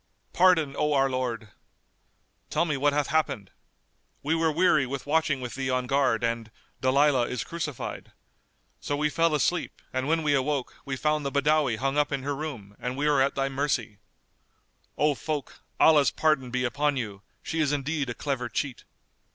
"Pardon, O our lord!" "Tell me what hath happened." "We were weary with watching with thee on guard and said:—Dalilah is crucified. So we fell asleep, and when we awoke, we found the Badawi hung up in her room; and we are at thy mercy." "O folk, Allah's pardon be upon you! She is indeed a clever cheat!"